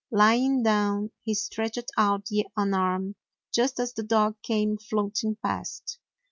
Lying down, he stretched out an arm, just as the dog came floating past.